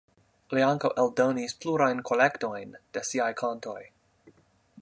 Li ankaŭ eldonis plurajn kolektojn de siaj kantoj.